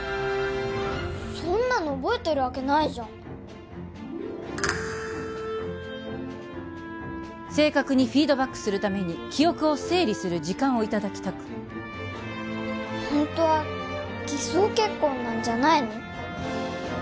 そんなの覚えてるわけないじゃん正確にフィードバックするために記憶を整理する時間をいただきたくホントはギソウケッコンなんじゃないの？